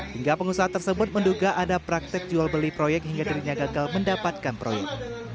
hingga pengusaha tersebut menduga ada praktek jual beli proyek hingga dirinya gagal mendapatkan proyek